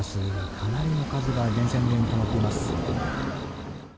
かなりの数が電線の上に止まっています。